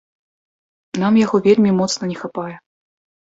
Нам яго вельмі моцна не хапае.